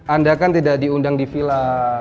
anda kan tidak diundang di villa